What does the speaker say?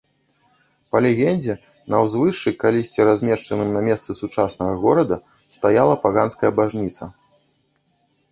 Па легендзе, на ўзвышшы, калісьці размешчаным на месцы сучаснага горада, стаяла паганская бажніца.